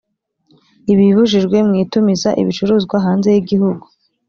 Ibibujijwe mu itumiza ibicuruzwa hanze yigihugu